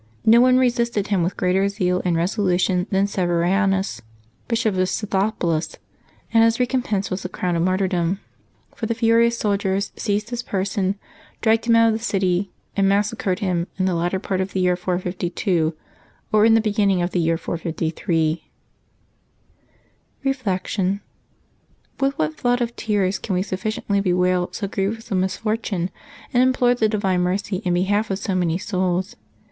No one resist ed him with greater zeal and resolution than Severianus, Bishop of Scythopolis, and his recompense was the crown of martyr 82 LIVES OF THE SAINTS [FEBsuABr 22 dom; for the furious soldiers seized liis person, dragged him out of the city, and massacred him, in the latter part of the year 452 or in the beginning of the year 453. Reflection. — With what floods of tears can we suffi ciently bewail so grievous a misfortune, and implore the divine mercy in behalf of so many souls